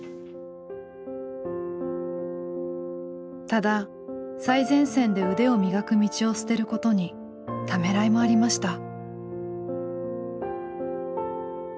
ただ最前線で腕を磨く道を捨てることにためらいもありました。